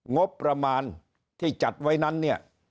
งบประมาณที่จัดไว้นั้นเนี่ย